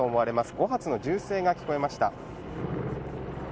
５発の銃声が聞こえました。